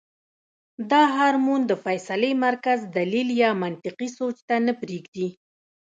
دا هارمون د فېصلې مرکز دليل يا منطقي سوچ ته نۀ پرېږدي -